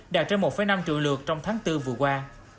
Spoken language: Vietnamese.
đạt trên một năm triệu lượt trong tháng bốn vừa qua